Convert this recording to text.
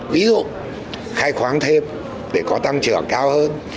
ví dụ khai khoáng thêm để có tăng trưởng cao hơn